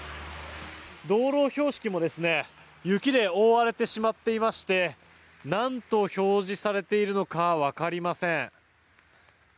道路標識も雪で覆われてしまっていまして何と表示されているのか分かりません。